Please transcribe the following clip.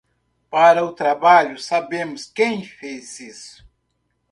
Para o trabalho, sabemos quem fez isso.